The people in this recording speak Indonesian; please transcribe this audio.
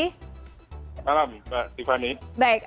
selamat malam mbak tiffany